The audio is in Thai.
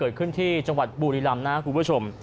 เกิดขึ้นที่จังหวัดบุรีรำนะครับคุณผู้ชม